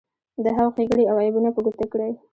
د هغو ښیګڼې او عیبونه په ګوته کړئ.